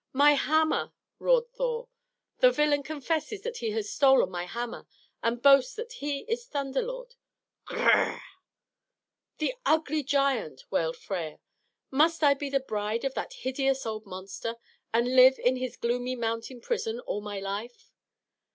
"My hammer!" roared Thor. "The villain confesses that he has stolen my hammer, and boasts that he is Thunder Lord! Gr r r!" "The ugly giant!" wailed Freia. "Must I be the bride of that hideous old monster, and live in his gloomy mountain prison all my life?"